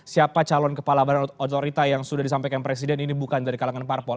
siapa calon kepala badan otorita yang sudah disampaikan presiden ini bukan dari kalangan parpol